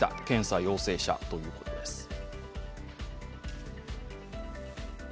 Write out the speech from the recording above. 検査陽性者ということです。